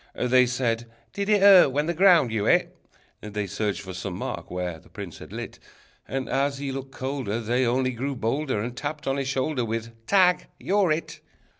They said: "Did it hurt when the ground you hit?" They searched for some mark where the prince had lit, And as he looked colder, They only grew bolder, And tapped on his shoulder With: "Tag! You're It!"